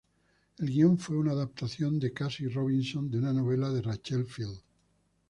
El guion fue una adaptación de Casey Robinson de una novela de Rachel Field.